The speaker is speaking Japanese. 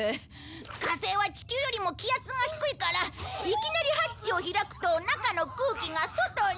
火星は地球よりも気圧が低いからいきなりハッチを開くと中の空気が外に。